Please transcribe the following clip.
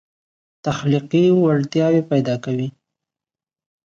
تخلیقي وړتیاوې پیدا کوي.